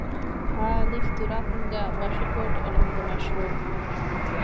ހއ.ތުރާކުނުގައި ބަށިކޯޓް އެޅުމުގެ މަޝްރޫޢު